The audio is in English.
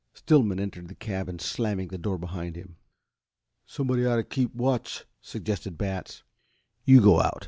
Stillman entered the cabin, slamming the door behind him. "Somebody ought to keep watch," suggested Batts. "You go out.